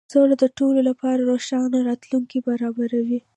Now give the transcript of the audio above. سوله د ټولو لپاره روښانه راتلونکی برابروي.